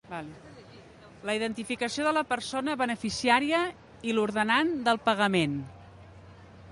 La identificació de la persona beneficiària i l'ordenant del pagament.